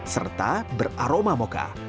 serta beraroma mocha